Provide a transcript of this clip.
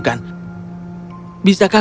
tiga belas atau lebih